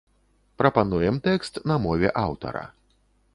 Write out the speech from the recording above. Прапануем тэкст на мове аўтара.